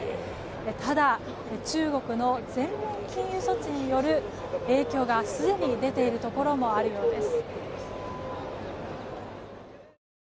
ただ、中国の全面禁輸措置による影響がすでに出ているところもあるようです。